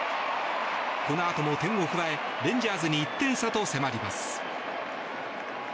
このあとも点を加えレンジャーズに１点差と迫ります。